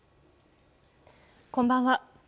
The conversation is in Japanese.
こんばんは。